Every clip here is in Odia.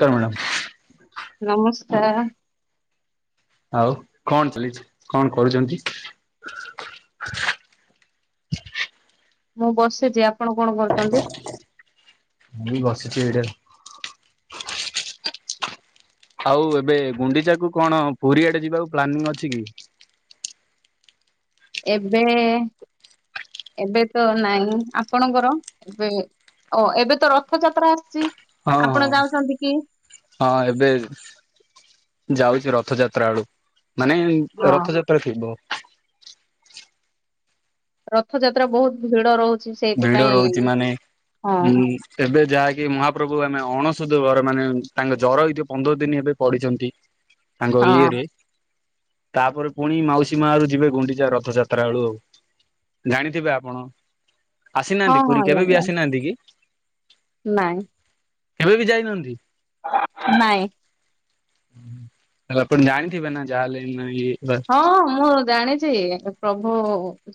କାର ମ୍ୟାଡ଼ାମ ନମସ୍କାର ଆଉ କଣ ଚାଲିଛି, କଣ କରୁଚନ୍ତି? ମୁଁ ବସିଚି ଆପଣ କଣ ଭଲ ପାଆନ୍ତି? ମୁ ବସଚି ଏଇଟାରେ। ଆଉ ଏବେ ଗୁଣ୍ଡିଚା କୁ କଣ ପୁରୀଆଡେ ଯିବାକୁ ପ୍ଲାନିଂଙ୍ଗ୍ ଅଛି କି? ଏବେ ଏବେ ତ ନାଇଁ ଆପଣଙ୍କର ଏବେ? ଓ ଏବେ ତ ରଥଯାତ୍ରା ଆସିଚି। ହଁ ହଁ। ହଁ ଏବେ ଯାଉଚି ରଥଯାତ୍ରା ଆଡକୁ ମାନେ ହଁ ରଥଯାତ୍ରା ଥିବ ରଥଯାତ୍ରା ବହୁତ ଭିଡ ରହୁଚି। ଭିଡ ରହୁଚି ମାନେ ଉଁ ଏବେ ଯାହାକି ମହାପ୍ରଭୁ ଆମେ ଅଣସଦ ବରେ ମାନେ ତାଙ୍କ ଜର ଏଇ ପନ୍ଦର ଦିନ ଏବେ ପଡିଚନ୍ତି। ତାଙ୍କ ହଁ ଇଏ ରେ ତାପରେ ପୁଣି ମାଉସୀ ମା ରୁ ଯିବେ ଗୁଣ୍ଡିଚା ରଥଯାତ୍ରା ବେଳୁ ଆଉ। ଜାଣିଥିବେ ଆପଣ ହଁ ଆସିନାହାନ୍ତି ପୁରୀ ହଁ କେବେ ବି ଆଜ୍ଞା ଆସିନାହାନ୍ତି କି? ନାଇଁ। କେବେ ବି ଯାଇନାହାନ୍ତି? ନାଇଁ। ଆଉ ଆପଣ ଜାଣିଥିବେ ନା ଯାହାଲେବି ନାହିଁ ଇଏ ହଁ ମୁଁ ଜାଣିଛି ପ୍ରଭୁ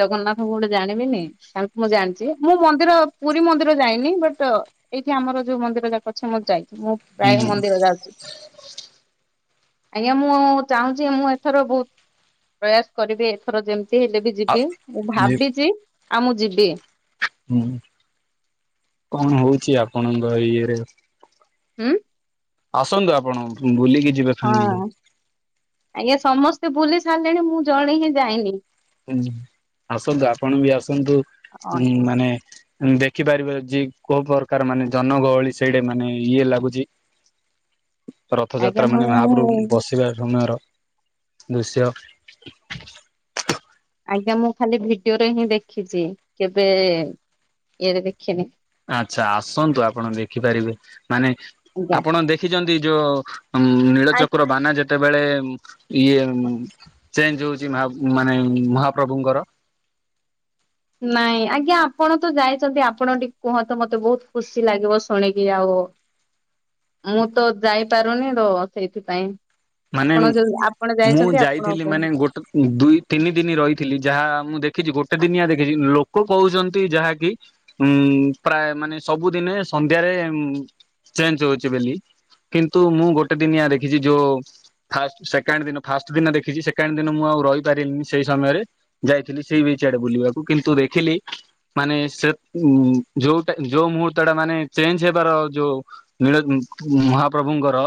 ଜଗନ୍ନାଥଙ୍କୁ ଗୋଟେ ଜାଣିବିନି। ତାଙ୍କୁ ମୁଁ ଜାଣିଚି ମୁଁ ମନ୍ଦିର ପୁରୀ ମନ୍ଦିର ଯାଇନି ବଟ୍ ଏଇଠି ଆମର ଯୋଉ ମନ୍ଦିର ଯାକ ଅଛି ମୁଁ ଯାଇଚି ମୁଁ ପ୍ରାୟ ହୁଁ ମନ୍ଦିର ଯାଉଚି। ଆଜ୍ଞା ମୁଁ ଚାହୁଁଛି ମୁଁ ଏଥର ବହୁତ ପ୍ରୟାସ କରିବି ଏଥର ଯେମିତି ହେଲେ ବି ଆ ଯିବି ମୁଁ ଇଏ ଭାବିଚି ଆଉ ମୁଁ ଯିବି। ହୁଁ କଣ ହଉଚି ଆପଣଙ୍କ ଇଏରେ? ହୁଁ। ଆସନ୍ତୁ ଆପଣ ବୁଲିକି ଯିବେ ହଁ ଫ୍ୟାମିଲି ଆଜ୍ଞା ସମସ୍ତେ ବୁଲି ସାରିଲେଣି ମୁଁ ଜଣେ ହିଁ ଯାଇନି। ହୁଁ ଆସନ୍ତୁ ଆପଣ ବି ଆସନ୍ତୁ ହୁଁ ଆଜ୍ଞା। ମାନେ ଦେଖିପାରିବେ ଯେ କୋଉ ପ୍ରକାର ମାନେ ଜନଗହଳି ସେଇଟା ମାନେ ଇଏ ଲାଗୁଚି। ଆଜ୍ଞା ରଥଯାତ୍ରା ମାନେ ମହାପ୍ରଭୁ ମୁଁ ବସ୍- ଥିବା ସମୟର ଦୃଶ୍ୟ- ଆଜ୍ଞା ମୁଁ ଖାଲି ଭିଡିଓରେ ହିଁ ଦେଖିଚି କେବେ ଇଏରେ ଦେଖିନି। ଆଚ୍ଛା ଆସନ୍ତୁ ଆପଣ ଦେଖିପାରିବେ ମାନେ ଆଜ୍ଞା। ଆପଣ ଦେଖିଛନ୍ତି ଯୋଉ- ଉଁ ନୀଳଚକ୍ର ବାନା ଯେ- ଯେତେବେଳେ ଇଏ ଚେଞ୍ଜ ହଉଛି ମାନେ ମହାପ୍ରଭୁଙ୍କର ନାଇଁ ଆଜ୍ଞା ଆପଣ ତ ଯାଇଚନ୍ତି ଆପଣ ଟିକେ କୁହନ୍ତୁ ମତେ ବହୁତ ଖୁସି ଲାଗିବ ଶୁଣିକି ଆଉ। ମୁଁ ତ ଯାଇପାରୁନି ତ ସେଇଥିପାଇଁ ମାନେ ଆପଣ ମୁ ଯୋଉ ଆପଣ ମୁଁ ଯାଇଛନ୍ତି ଆପଣ ଯାଇଥିଲି ମାନେ କୁହନ୍ତୁ ଗୋଟେ ଦୁଇ ତିନି ଦିନି ରହିଥିଲି ଯାହା ମୁଁ ଦେଖିଚି ଗୋଟେ ଦିନିଆ ଦେଖିଛି ଲୋକ କହୁଛନ୍ତି ଯାହାକି ଉଁ ପ୍ରାୟ ମାନେ ସବୁଦିନେ ସନ୍ଧ୍ୟାରେ ଚେଞ୍ଜ ହଉଚି ବେଲି। କିନ୍ତୁ ମୁଁ ଗୋଟେ ଦିନିଆ ଦେଖିଚି ଯୋଉ ଫାଷ୍ଟ ସେକେଣ୍ଡ ଦିନ ଫାଷ୍ଟ ଦିନ ଦେଖିଚି ସେକେଣ୍ଡ ଦିନ ମୁଁ ଆଉ ରହିପାରିଲିନି ସେଇ ସମୟରେ। ଯାଇଥିଲି ସି ବିଚ ଆଡେକୁ ବୁଲିବାକୁ କିନ୍ତୁ ଦେଖିଲି ମାନେ ସେ ଯୋଉଟା ଯୋଉ ମୁହୂର୍ତ୍ତ ଟା ମାନେ ଚେଞ୍ଜ ହେବାର ଯୋଉ ନୀଳ ମହାପ୍ରଭୁଙ୍କର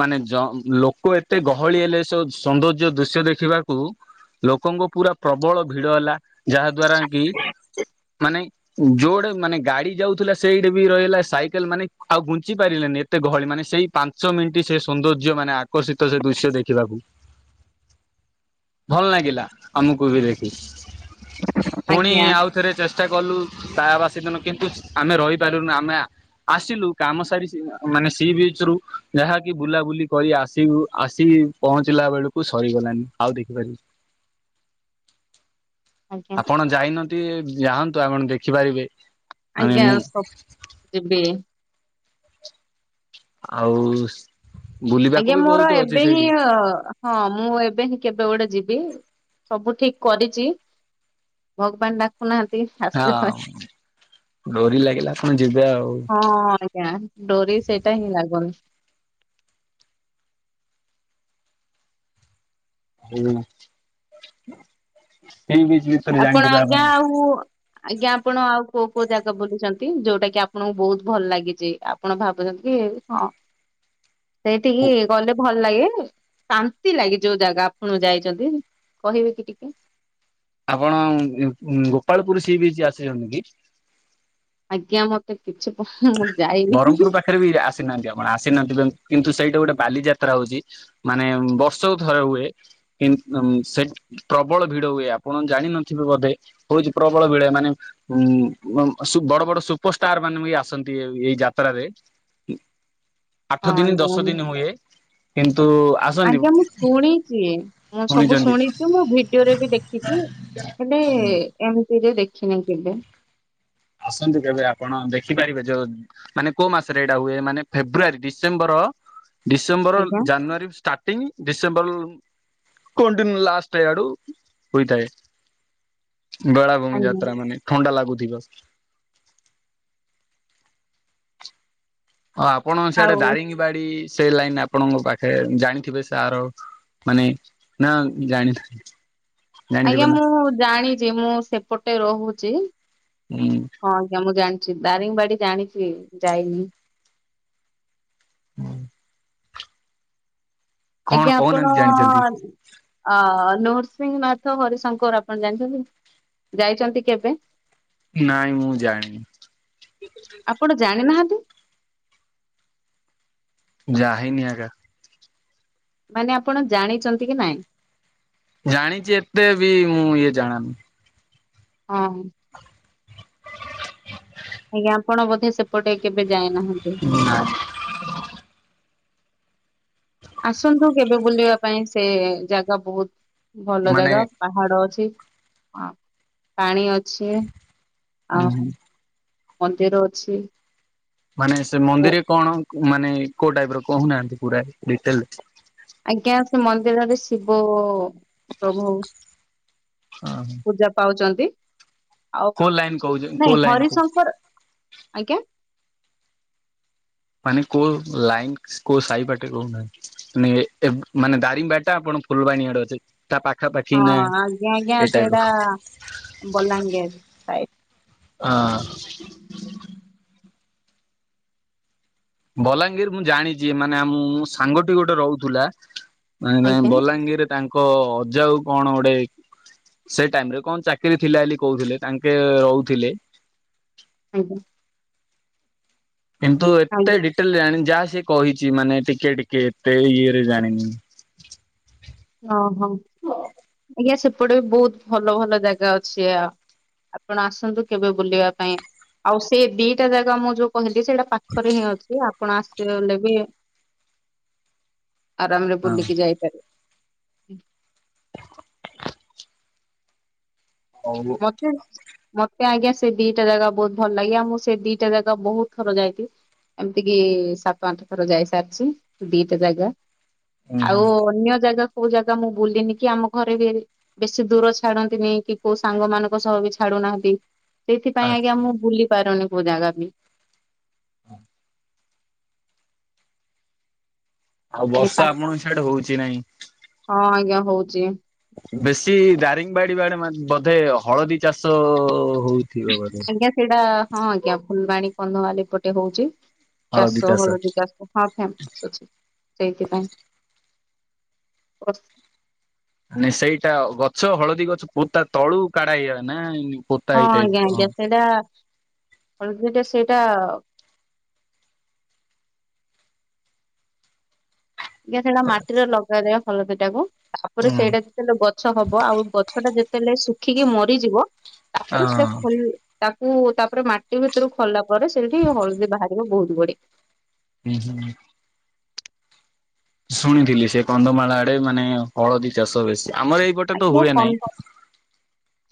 ମାନେ ଜ ଲୋକ ଏତେ ଗହଳି ହେଲେ ସୋ ସୌନ୍ଦର୍ଯ୍ୟ ଦୃଶ୍ୟ ଦେଖିବାକୁ। ଲୋକଙ୍କୁ ପୁରା ପ୍ରବଳ ଭିଡ଼ ହେଲା ଯାହା ଦ୍ଵାରା କି ମାନେ ଯୋଉଆଡ଼େ ମାନେ ଗାଡ଼ି ଯାଉଥିଲା ସେଇଟେ ବି ରହିଗଲା ସାଇକେଲ ମାନେ ଆଉ ଘୁଞ୍ଚି ପାରିଲାନି ଏ ତେ ଗହଳି ମାନେ ସେଇ ପାଞ୍ଚ ମିନିଟ୍ ସେ ସୌନ୍ଦର୍ଯ୍ୟ ମାନେ ଆକର୍ଷିତ ସେ ଦୃଶ୍ୟ ଦେଖିବାକୁ। ଭଲ ନାଗିଲା ଆମକୁ ବି ଦେଖି ପୁଣି ଆଜ୍ଞା ଆଉ ଥରେ ଚେଷ୍ଟା କଲୁ ତାବାସୀ ଦିନ କିନ୍ତୁ ଆମେ ରହିପାରିଲୁନି ଆମେ ଆ ଆସିଲୁ କାମ ସାରିଚି ଉଁ ମାନେ ସି ବିଚ ରୁ ଯାହାକି ବୁଲାବୁଲି କରି ଆସିଲୁ ଆସି ପହଞ୍ଚିଲା ବେଳକୁ ସରିଗଲାଣିି ଆଉ ଦେଖିପାରି ଆଜ୍ଞା। ଆପଣ ଯାଇନାନ୍ତି ଯାହାନ୍ତୁ ଆପଣ ଦେଖିପାରିବେ। ମାନେ ଆଜ୍ଞା ମୁଁ ସପ୍ ଯିବି। ଆଉ ସ୍ ଆଜ୍ଞା ମୋର ଏବେ ହିଁ ହ ହଁ ମୁଁ ଏବେ ହିଁ କେବେ ଗୋଟେ ଯିବି ସବୁ ଠିକ୍ କରିଛି। ଭଗବାନ ଡାକୁନାହାନ୍ତି ହଁ ଆସିବା ପାଇଁ। ଡୋରି ଲାଗିଲା ଫୁଣି ଯିବେ ଆଉ। ଜ୍ଞା ଡୋରି ସେଇଟା ହିଁ ଲାଗୁନି। ହୁଁ ଏମ୍ ବି ଆପଣ ଆଜ୍ଞା ଆଉ ଆଜ୍ଞା ଆପଣ ଆଉ କୋଉ କୋଉ ଜାଗା ବୁଲିଛନ୍ତି ଯୋଉଟା କି ଆପଣଙ୍କୁ ବୋହୁତ ଭଲ ଲାଗିଛି ଆପଣ ଭାବୁଛନ୍ତି କି ହଁ ସେଇଠିକି ଗଲେ ଭଲ ଲାଗେନି ଶାନ୍ତି ଲାଗେ ଯୋଉ ଜାଗା ଆପଣ ଯାଇଛନ୍ତି କହିବେ କି ଟିକେ? ଆପଣ ଉଁ ଉଁ ଉଁ ଗୋପାଳପୁରୁ ସି ବିଚ୍ ଆସିଛନ୍ତି କି? ଆଜ୍ଞା ମତେ କିଛି ପ [unintelligible] ବରଂପୁର ହଁ ପାଖରେ ବି ଆସିନାହାନ୍ତି ଆପଣ ଆସିନଥିବେ କିନ୍ତୁ ସେଇଟେ ଗୋଟେ ବାଲିଯାତ୍ରା ହଉଛି। ମାନେ ବର୍ଷକୁ ଥରେ ହୁଏ କିନ୍ ଉମ୍ ସେ ପ୍ରବଳ ଭିଡ଼ ହୁଏ ଆପଣ ଜାଣିନଥିବେ ବୋଧେ। ହଉଛି ପ୍ରବଳ ଭିଡ଼ ମାନେ ଉଁ ମମ୍ ଅସୁ ବଡ଼ ବଡ଼ ସୁପରଷ୍ଟାର ମାନେ ବି ଆସନ୍ତି ଏ ଇଏଇ ଯାତ୍ରାରେ ଉଁ ଆଠ ଦିନ ଦଶ ଆଜ୍ଞା ଦିନ ହୁଏ। କିନ୍ତୁ ଆସ୍ ଆଜ୍ଞା ମୁଁ ଶୁଣିଚି ମୁଁ ସବୁ ଶୁଣିଛନ୍ତି। ଶୁଣିଚି ମୁଁ ଭିଡିଓରେ ବି ଦେଖିଛି। ହେଲେ ଏମିତି ରେ ଦେଖିନି କେବେ। ଆସନ୍ତୁ କେବେ ଆପଣ ଦେଖିପାରିବେ ଯୋଉ ମାନେ କୋଉ ମାସରେ ଏଇଟା ହୁଏ ମାନେ ଫେବୃଆରୀ ଡିସେମ୍ବର ଡିସେମ୍ବର ଆଜ୍ଞା ଜାନୁଆରୀ ଷ୍ଟାର୍ଟ ଟିଂ ଡିସେମ୍ବର କଣ୍ଟିନ୍ୟୁ ଲାଷ୍ଟେ ଆଡ଼ୁ ହୋଇଥାଏ। ବେଳାଭୂମି ଆଜ୍ଞା ଯାତ୍ରା ମାନେ ଥଣ୍ଡା ଲାଗୁଥିବ। ହଁ ଆପଣ ସେଆଡ଼େ ଆଉ ଦାରିଙ୍ଗୀବାଡ଼ି ସେ ଲାଇନ ଆପଣଙ୍କ ପାଖେ ଜାଣିଥିବେ ସାର ମାନେ ନା ଜାଣିଥାନ୍ତି ଆଜ୍ଞା ମୁଁ ଜାଣିଚି ମୁଁ ସେପଟେ ରହୁଛି। ହୁଁ। ହଁ ଆଜ୍ଞା ମୁଁ ଜାଣିଛି ଦାରିଙ୍ଗିବାଡ଼ି ଜାଣିଛି ଯାଇନି। ହୁଁ। କଣ ଆଜ୍ଞା ଆପଣ କହୁନାହାନ୍ତି ଜାଣିଛନ୍ତି? ଅ ନରସିଂହ ମାଥ ହରିଶଙ୍କର ଆପଣ ଜାଣିଛନ୍ତି? ଯାଇଛନ୍ତି କେବେ? ନାଇଁ ମୁଁ ଜାଣିନି। ଆପଣ ଜାଣି ନାହାନ୍ତି? ଯାହିନି ଆଜ୍ଞା। ମାନେ ଆପଣ ଜାଣିଛନ୍ତି କି ନାଇଁ? ଜାଣିଛି ଏତେ ବି ମୁଁ ଇଏ ଜାଣା ନୁହେଁ। ହଁ, ହଁ। ଆଜ୍ଞା ଆପଣ ବୋଧେ ସେପଟେ କେବେ ଯାଇ ନାହାନ୍ତି? ନାଁ [unintelligible] ଆସନ୍ତୁ କେବେ ବୁଲିବା ପାଇଁ ସେ ଜାଗା ବହୁତ୍ ଭଲ ମାନେ ଜାଗା ପାହାଡ ଅଛି, ପାଣି ଅଛି ଆଉ ଉଁ ମନ୍ଦିର ଅଛି। ମାନେ ସେ ଓ, ମନ୍ଦିରେ କଣ ମାନେ କୋଉ ଟାଇପ୍ ର କହୁ ନାହାନ୍ତି ପୁରା ଡିଟେଲସ୍? ଆଜ୍ଞା ସେ ମନ୍ଦିରରେ ଶିବ ପ୍ରଭୁ ପୂଜା ପାଉଛନ୍ତି। ଆଉ କୋଉ ଲାଇନ କହୁଛ କୋଉ ନାଇଁ ଲାଇନ କ ହରିଶଙ୍କର ଆଜ୍ଞା ମାନେ କୋଉ ଲାଇନ୍ ସ କୋଉ ସାହି ବାଟେ କୋଉ ନାହାନ୍ତି? ନେଳି ଏ ମାନେ ଦାରିଙ୍ଗ ବାଡ଼ି ଟା ଆପଣ ଫୁଲବାଣୀ ଆଡେ ଅଛି [unintelligible] ତା ପାଖାପାଖି ନା ହଁ ଆଜ୍ଞା ଆଜ୍ଞା ଏଇଟା ବି ସେଇଟା ବଲାଙ୍ଗୀର ସାଇଡ ହଁ [unintelligible] ବଲାଙ୍ଗୀର ମୁଁ ଜାଣିଛି ମାନେ ମୁଁ ସାଙ୍ଗଟି ଗୋଟେ ରହୁଥିଲା [unintelligible] ନାଇଁ ନାଇଁ ଆଜ୍ଞା ବଲାଙ୍ଗୀର୍ ରେ ତାଙ୍କ ଅଜା କୁ କଣ ଗୋଟେ ସେଇ ଟାଇମ୍ ରେ କଣ ଚାକିରି ଥିଲା ବୋଲି କହୁଥିଲେ ତାଙ୍କେ ରହୁଥିଲେ ଆଜ୍ଞା। କିନ୍ତୁ ଏତେ ଆଜ୍ଞା ଡିଟେଲ୍ ରେ ଜାଣିନି ଯାହା ସିଏ କହିଛି ମାନେ ଟିକେ ଟିକେ ଏତେ ଇଏରେ ଜାଣିନି। ହଁ, ହଁ ଆଜ୍ଞା ସେପଟେ ବି ବହୁତ୍ ଭଲ ଭଲ ଜାଗା ଅଛି ଆଉ ଆପଣ ଆସନ୍ତୁ କେବେ ବୁଲିବା ପାଇଁ ଆଉ ସେଇ ଦିଟା ଜାଗା ମୁଁ ଯୋଉ କହିଲି ସେଇଟା ପାଖରେ ହିଁ ଅଛି ଆପଣ ଆସିବେ ବଲେ ବି ଆରାମରେ ହଁ ବୁଲିକି ଯାଇପାରିବେ। ହଉ। ଉଁ ହଚ୍ [unintelligible] ମତେ ଆଜ୍ଞା ସେ ଦିଟା ଜାଗା ବହୁତ୍ ଭଲ ଲାଗେ। ଆଉ ମୁଁ ସେ ଦିଟା ଜାଗା ବହୁତ୍ ଥର ଯାଇଛି। ଏମିତି କିି ସାତ ଆଠ ଥର ଯାଇସାରିଛି ଦିଟା ଜାଗା। ଆଉ ହୁଁ ଅନ୍ୟ ଜାଗାକୁ କୋଉ ଜାଗା ମୁଁ ବୁଲିନି କି ଆମ ଘରେ ବି ବେଶୀ ଦୂର ଛାଡନ୍ତିନି କି କୋଉ ସାଙ୍ଗ ମାନଙ୍କ ସହ ବି ଛାଡୁନାହାନ୍ତି। ସେଇଥିପାଇଁ ଆଚ୍ଛା ଆଜ୍ଞା ମୁଁ ବୁଲି ପାରୁନି କୋଉ ଜାଗା ବି। ଆଉ ଖାଲି ବର୍ଷା ଆପଣଙ୍କ ସିଆଡେ ହଉଛି ନାଇଁ? ହଁ ଆଜ୍ଞା ହଉଛି। ବେଶୀ ଦାରିଙ୍ଗବାଡି ବାଡେ ମା ବଧେ ହଳଦୀ ଚାଷ ହଉ ଆଜ୍ଞା ସେଇଟା ହଁ ଆଜ୍ଞା ଫୁଲବାଣୀ କନ୍ଧମାଲି ପଟେ ହଉଛି। ଚାଷ ହଳଦୀ ଚାଷ। ହଁ ଫ୍ୟାମ ସବୁ ସେଇଥିପାଇଁ [unintelligible] ମାନେ ସେଇଟା ଗଛ ହଳଦୀ ଗଛ ପୋତା ତଳୁ କାଢା ହେଇଗଲାଣି ନା ଏଇ ପୋ ହଁ ଆଜ୍ଞା ଆଜ୍ଞା ସେଇଟା ହଳଦୀ ଟା ସେଇଟା ଆଜ୍ଞା ସେଇଟା ମାଟିରେ ଲଗାଯାଏ ହଳଦୀଟାକୁ। ତାପରେ ହୁଁ ସେଇଟା ଯେତେବେଳେ ଗଛ ହବ ଆଉ ଗଛଟା ଯେତେବେଳେ ଶୁଖିକି ମରିଯିବ ତାପରେ ସେଟା ହଁ ଖୋଳି ତାକୁ ତାପରେ ମା ଟିକେ ଭିତରୁ ଖୋଳିଲା ପରେ ସେଇଠି ହଳଦୀ ବାହାରିବ ବହୁତ୍ ଗୋଡେ। ଉଁ -ହୁଁ। ଶୁଣିଥିଲି ସେ କନ୍ଧମାଳ ଆଡେ ମାନେ ହଳଦୀ ଚାଷ ବେଶୀ ଆମର ଏଇ [unintelligible]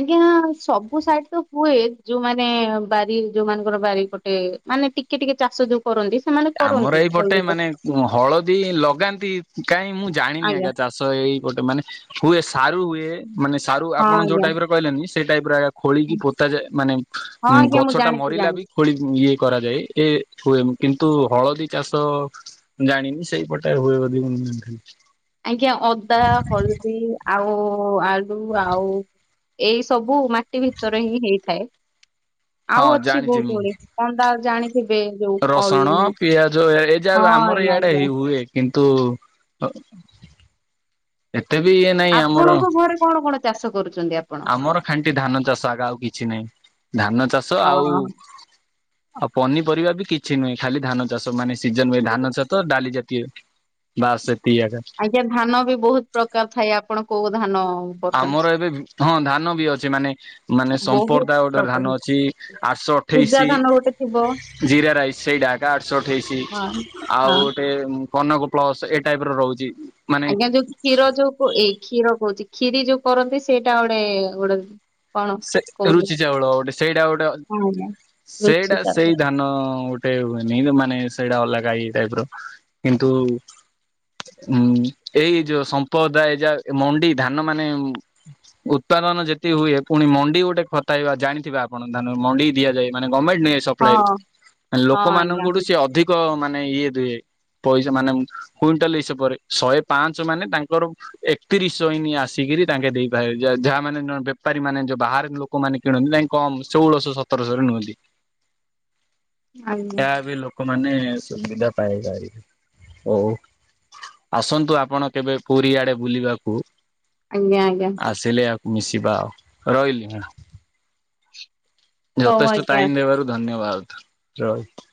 ଆଜ୍ଞା ସବୁ ସାଇଡ୍ ରେ ହୁଏ ଯଉମାନେ ବାରି- ଯଉମାନଙ୍କର ବାରିପଟେ ମାନେ ଟିକେ ଟିକେ ଚାଷ ଯଉ କରନ୍ତି ସେମାନେ ଆମର କରନ୍ତି ଏଇପଟେ ହଳଦୀ ଚାଷ ମାନେ ହଳଦୀ ଲଗାନ୍ତି କାଇଁ ମୁଁ ଜାଣିନି ଆଜ୍ଞା ଚାଷ୍ ସ- ଏଇପଟେ ମାନେ ହୁଏ ସାରୁ ହୁଏ ମାନେ ସାରୁ ହଁ ଆପଣ ଯଉ ଆଜ୍ଞା ଟାଇପ୍ ର କହିଲେନି ସେଇ ଟାଇପ୍ ର ଖୋଳିକି ପୋତାଯାଏ ମାନେ ହଁ ଉ- ଆଜ୍ଞା ମୁଁ ଗଛଟା ଜାଣିଛି ମରିଲା ବି ଜାଣିଛି ଖୋଳିକି ଇଏ କରାଯାଏ [unintelligible] କିନ୍ତୁ ହଳଦୀ ଚାଷ ଜାଣିନି ସେଇପଟେ ହୁଏ ବଧେ ମୁଁ। [unintelligible] ଆଜ୍ଞା ଅଦା, ହଳଦୀ ଆଉ ଆଳୁ ଆଉ ଏଇ ସବୁ ମାଟି ଭିତରେ ହିଁ ହେଇଥାଏ ହଁ ଆଉ ଅଛି ଜାଣିଛି ବହୁତ୍ ମୁଁ ଗୁଡେ। କଣ୍ ଟା ଜାଣି ଥିବେ ଯଉ ରସଣ, ପିଆଜ ଏ ଯାହା ଆମର ଆଜ୍ଞା ଇଆଡେ ଆଜ୍ଞା ହେଇ ହୁଏ। କିନ୍ତୁ ଅ- ଏତେ ବି ଇଏ ନାହିଁ ଆମର। ଆପଣଙ୍କ ଘରେ କଣ କଣ ଚାଷ କରୁଚନ୍ତି ଆ ଆମର ଖାଣ୍ଟି ଧାନ ଚାଷ ଆକା ଆଉ କିଛି ନାହିଁ ଧାନ ଚାଷ ଅ ଆଉ ଆଉ ପନିପରିବା ବି କିଛି ନୁହେଁ ଖାଲି ଧାନ ଚାଷ ମାନେ ସିଜନ୍ ରେ ହୁଏ ଧାନ ଚାଷ ଡାଲି ଜାତୀୟ ବାସ୍ ଏତିିକି ଆକା। ଏ ଧାନ ବି ବହୁତ୍ ପ୍ରକାର୍ ଥାଏ ଆପଣ କଉ ଧାନ କରୁଛନ୍ତି? ଆମର ଏବେ ହଁ ଧାନ ବି ଅଛି ମାନେ- ମାନେ ବହୁତ ସମ୍ପର୍ଦା ଗୋଟେ ଧାନ ପ୍ରକାର ଅଛି ଆଠଶ ପୂଜା ଅଠେଇଶି ଧାନ ଗୋଟେ ଥିବ ଜିରା ରାଇସ୍ ସେଇଟା ଆକା ଆଠଶ ଅଠେଇଶି ହଁ। ଆଉ ହଁ ଗୋଟେ କନକ ପ୍ଲସ୍ ଏଇ ଟାଇପ୍ ର ରହୁଚି। ଆମେ ଯଉ କ୍ଷୀର ଯଉ ପ- ଏଇ କ୍ଷୀର କହୁଚି କ୍ଷୀରି ଯଉ କରନ୍ତି ସେଇଟା ଗୋଟେ। [unintelligible] ସେ କହୁଥିଲେ ରୁଚି ଚାଉଳ ଗୋଟେ ସେଇଟା ଗୋଟେ ହଁ ଆଜ୍ଞା ରୁଚି ସେଇଟା ତାର ସେଇ ଧାନ ଗୋଟ୍ ଏତେ ହୁଏନି ଇଁଦି ମାନେ ସେଇଟା ଅଲଗା ଏଇ ଟାଇପ୍ ର କିନ୍ତୁ ହୁଁ ଏଇ ଯଉ ସମ୍ପଦା ଏଇଯା ମଣ୍ଡି ଧାନ ମାନେ ଉତ୍ପାଦନ ଯେତିକି ହୁଏ ଫୁଣି ମଣ୍ଡି ଗୋଟେ ଖତାଇବା ଜାଣିଥିବେ ଆପଣ ଧାନ ମଣ୍ଡିକୁ ଦିଆଯାଏ ମାନେ ଗମେଣ୍ଟ୍ ନିଏ ହଁ ସପ୍ଲାଏ ରୁ ହଁ ଆଜ୍ଞା ଲୋକମାନଙ୍କଠୁ ସେ ଆଜ୍ଞା ଅଧିକ ମାନେ ଇଏ ଦିଏ ମାନେ ପଇସା ମାନେ କୁଇଣ୍ଟାଲ ଇସା ପରେ ଶହେ ପାଞ୍ଚ ମାନେ ତାଙ୍କର ଏକତିରିଶ [unintelligible] ଆସିକିରି ତାଙ୍କେ [unintelligible] ବେପାରୀ ମାନେ ଯଉ ବାହାରେ ଲୋକମାନେ କିଣନ୍ତି ତାଙ୍କେ କମ୍ ଶୋହଳଶ ସତରଶହରେ ନୁଅନ୍ତି। ଏହା ବି ଲୋକମାନେ ସୁବିଧା ପାଇପାରିବେ। [unintelligible] ଆସନ୍ତୁ ଆପଣ କେବେ ପୁରୀଆଡେ ବୁଲିବାକୁ? ଆଜ୍ଞା ଆଜ୍ଞା ଆସିଲେ ଆକୁ ମିଶିବା ଆଉ ରହିଲି ହଁ-। ହଉ ଯଥେଷ୍ଟ ଆଜ୍ଞା। ଟାଇମ୍ ଦେବାରୁ ଧନ୍ୟବାଦ୍ ରହିଲି।